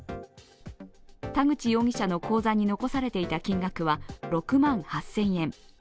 田口容疑者の口座に残されていた金額は６万８０００円。